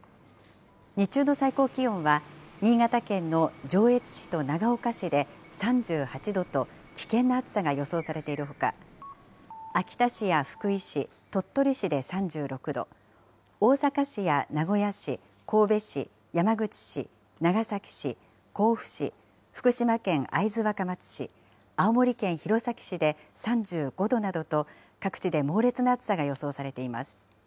日中の最高気温は新潟県の上越市と長岡市で３８度と、危険な暑さが予想されているほか、秋田市や福井市、鳥取市で３６度、大阪市や名古屋市、神戸市、山口市、長崎市、甲府市、福島県会津若松市、青森県弘前市で３５度などと、各地で猛烈な暑さが予想されています。